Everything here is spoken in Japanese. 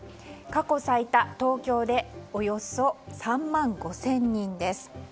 過去最多、東京でおよそ３万５０００人です。